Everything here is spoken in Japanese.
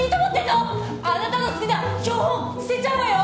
あなたの好きな標本捨てちゃうわよ？